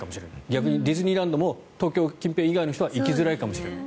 逆にディズニーランドも東京近辺の人以外は行きづらいかもしれない。